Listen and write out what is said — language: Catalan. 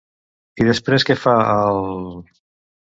I després què fa, al...?